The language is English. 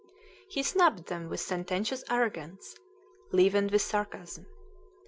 He snubbed them with sententious arrogance, leavened with sarcasm.